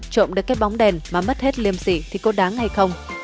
trộm được cái bóng đèn mà mất hết liềm xỉ thì có đáng hay không